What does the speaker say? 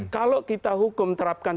kalau kita hukum terapkan